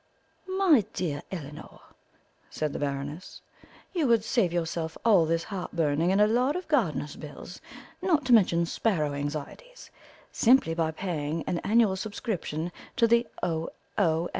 "My dear Elinor," said the Baroness, "you would save yourself all this heart burning and a lot of gardener's bills, not to mention sparrow anxieties, simply by paying an annual subscription to the O.